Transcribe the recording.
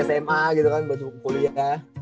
sma gitu kan buat kuliah